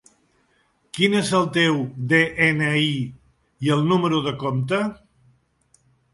Quin és el teu de-ena-i i el número de compte?